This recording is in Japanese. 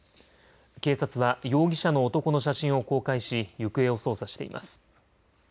警察は容疑者の男の写真を公開し行方を捜査しています。